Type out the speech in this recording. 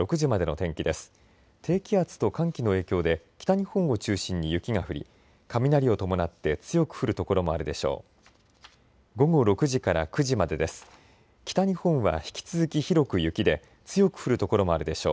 低気圧と寒気の影響で北日本を中心に雪が降り雷を伴って強く降る所もあるでしょう。